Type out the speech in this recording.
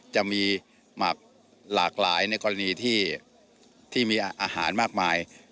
จะมีหมักหลากหลายในกรณีที่มีอาหารมากมาย